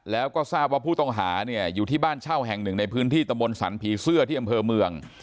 แล้วก็ทราบว่าผู้ต้องหาเนี่ยอยู่ที่บ้านเช่าแห่งหนึ่งในพื้นที่ตะบนสรรผีเสื้อที่อำเภอเมือง